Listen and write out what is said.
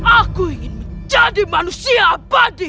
aku ingin menjadi manusia abadi